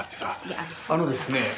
あのですね